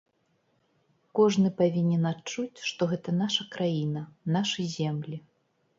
Кожны павінен адчуць, што гэта наша краіна, нашы землі.